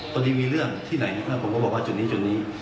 ตัวนี้มีเรื่องที่ไหนผมก็บอกว่าจุดนี้จุดนี้